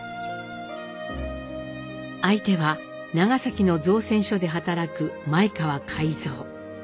相手は長崎の造船所で働く前川海蔵。